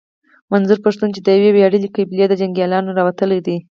منظور پښتين چې د يوې وياړلې قبيلې د جنګياليانو نه راوتلی دی.